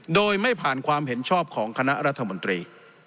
โดยไม่ผ่านความเห็นชอบของคณะรัฐมนตรี